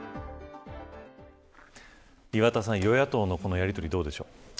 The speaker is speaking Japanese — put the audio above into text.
岩田さん、与野党のこのやりとり、どうでしょう。